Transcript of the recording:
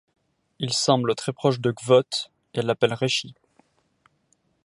Il semble très proche de Kvothe et l'appelle Reshi.